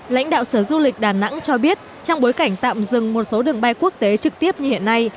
lãnh đạo sở du lịch đà nẵng cho biết trong bối cảnh tạm dừng một số đường bay quốc tế trực tiếp như hiện nay